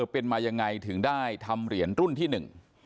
เป็นมายังไงถึงได้ทำเหรียญรุ่นที่หนึ่ง